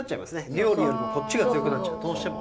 料理よりもこっちが強くなっちゃう。